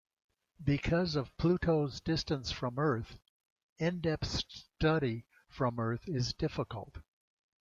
Because of Pluto's distance from Earth, in-depth study from Earth is difficult.